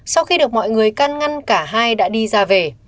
sau khi được mọi người can ngăn cả hai đã đi ra về